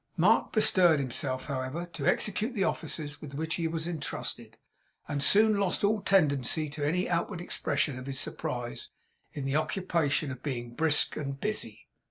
Mark bestirred himself, however, to execute the offices with which he was entrusted; and soon lost all tendency to any outward expression of his surprise, in the occupation of being brisk and busy.